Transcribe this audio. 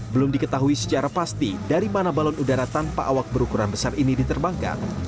belum diketahui secara pasti dari mana balon udara tanpa awak berukuran besar ini diterbangkan